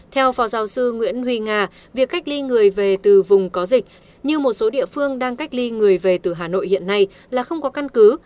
theo phó giáo sư nguyễn huy nga việc cách ly người về từ vùng có dịch như một số địa phương đang cách ly người về từ hà nội hiện nay là không có căn cứ